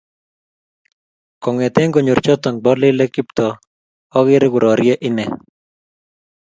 kongeten konyor choto bo lelek Kiptooo akere korarie ine